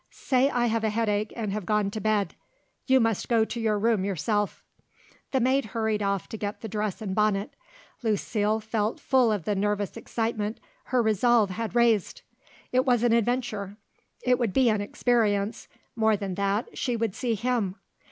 "Say I have a headache and have gone to bed. You must go to your room yourself." The maid hurried off to get the dress and bonnet. Lucile felt full of the nervous excitement her resolve had raised. It was an adventure, it would be an experience, more than that, she would see him.